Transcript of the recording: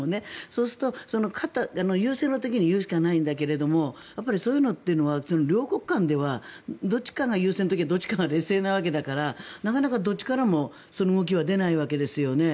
そうすると優勢の時に言うしかないんだけどそういうのっていうのは両国間ではどっちかが優勢な時はどっちかが劣勢なわけだからなかなかどっちからもその動きは出ないわけですよね。